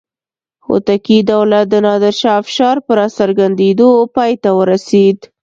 هوتکي دولت د نادر شاه افشار په راڅرګندېدو پای ته ورسېد.